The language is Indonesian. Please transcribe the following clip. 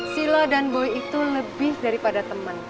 sila dan boy itu lebih daripada teman